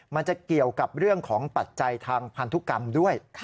มันจะเกี่ยวกับเรื่องของปัจจัยทางพันธุกรรมด้วย